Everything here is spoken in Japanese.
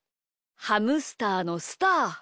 ハムスターのスター。